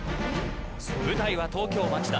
舞台は東京・町田。